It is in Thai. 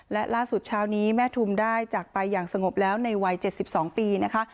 และล่าสุดเช้านี้แม่ทุมได้จากไปอย่างสงบแล้วในวัย๗๒ปีนะคะ